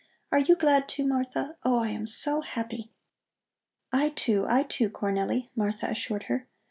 "Are you glad, too, Martha? Oh, I am so happy!" "I too, I too, Cornelli," Martha assured her.